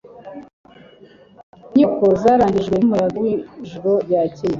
Inyubako zarangijwe n'umuyaga mwijoro ryakeye.